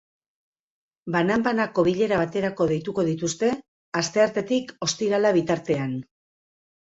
Banan-banako bilera baterako deituko dituzte, asteartetik ostiralera bitartean.